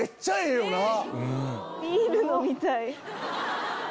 ビール飲みたい！